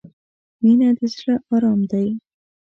• مینه د زړۀ ارام دی.